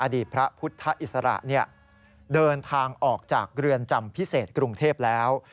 อดีตพระพุทธอิสระเดินทางออกจากเรือนจำพิเศษกรุงเทพแล้ว